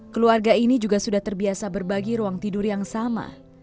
keluarga ini juga sudah terbiasa berbagi ruang tidur yang sama